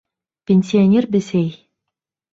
Пенсионер бесәй